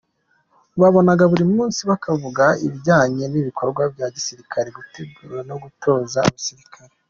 Babonanaga buri munsi, bakavugana ibijyanye n’ibikorwa bya gisirikare, gutegura no gutoza abasirikare.